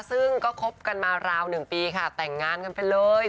ซึ่งก็คบกันมาราว๑ปีค่ะแต่งงานกันไปเลย